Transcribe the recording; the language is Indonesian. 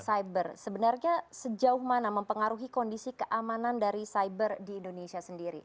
cyber sebenarnya sejauh mana mempengaruhi kondisi keamanan dari cyber di indonesia sendiri